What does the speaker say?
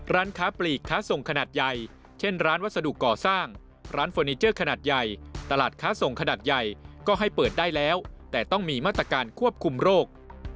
ร้านค้าปลีกค้าส่งขนาดใหญ่เช่นร้านวัสดุก่อสร้างร้านเฟอร์นิเจอร์ขนาดใหญ่ตลาดค้าส่งขนาดใหญ่ก็ให้เปิดได้แล้วแต่ต้องมีมาตรการควบคุมโรค